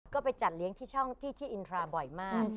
ก็ไปจัดเลี้ยงที่ช่องที่อินทราบ่อยมาก